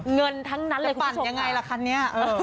เงินทั้งนั้นเลยคุณผู้ชมค่ะจะปั่นยังไงล่ะคันนี้